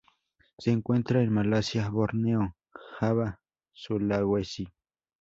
Se encuentra en Malasia, Borneo, Java, Sulawesi?